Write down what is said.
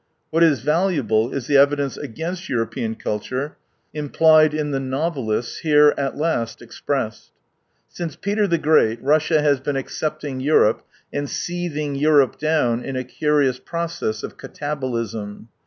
What is valuable is the evidence against European culture, implied in the novelists^ here at last expressed. Since Peter the Greai Russia has been accepting Europe, and seeth ing Europe down in a curious process of katabolism.